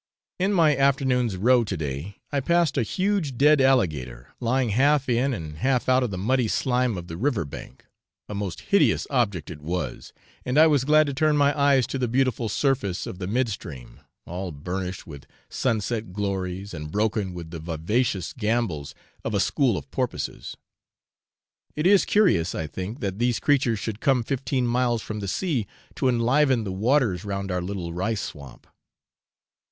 In my afternoon's row to day I passed a huge dead alligator, lying half in and half out of the muddy slime of the river bank a most hideous object it was, and I was glad to turn my eyes to the beautiful surface of the mid stream, all burnished with sunset glories, and broken with the vivacious gambols of a school of porpoises. It is curious, I think, that these creatures should come fifteen miles from the sea to enliven the waters round our little rice swamp.